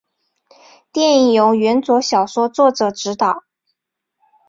电影由原着小说作者执导。